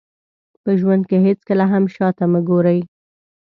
په ژوند کې هېڅکله هم شاته مه ګورئ.